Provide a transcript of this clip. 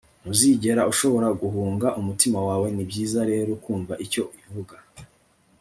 ntuzigera ushobora guhunga umutima wawe ni byiza rero kumva icyo ivuga